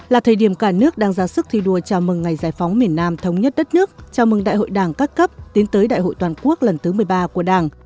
là thời điểm cả nước đang ra sức thi đua chào mừng ngày giải phóng miền nam thống nhất đất nước chào mừng đại hội đảng các cấp tiến tới đại hội toàn quốc lần thứ một mươi ba của đảng